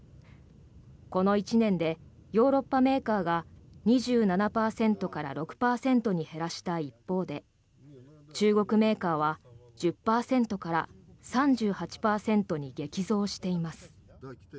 この１年でヨーロッパメーカーが２７％から６％に減らした一方で中国メーカーは１０％から３８％に激増しています。